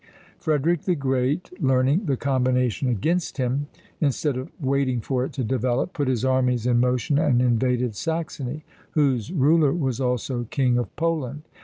Frederick the Great, learning the combination against him, instead of waiting for it to develop, put his armies in motion and invaded Saxony, whose ruler was also King of Poland.